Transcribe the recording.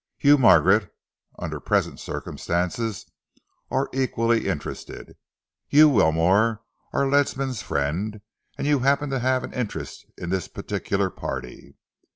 You, Margaret, under present circumstances, are equally interested. You, Wilmore, are Ledsam's friend, and you happen to have an interest in this particular party.